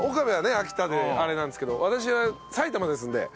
秋田であれなんですけど私は埼玉ですんで。